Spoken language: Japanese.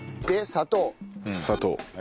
砂糖。